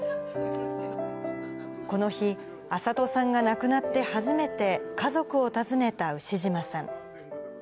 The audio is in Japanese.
この日、安里さんが亡くなって初めて家族を訪ねた牛島さん。